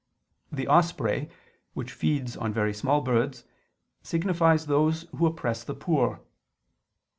The osprey, which feeds on very small birds, signifies those who oppress the poor.